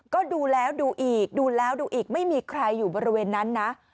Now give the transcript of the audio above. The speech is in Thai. ก็ดูแล้วดูอีกดูแล้วดูอีกไม่มีใครอยู่บริเวณนั้นนะ